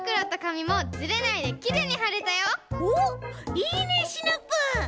いいねシナプー。